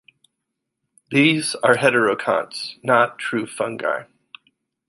These are heterokonts, not true fungi.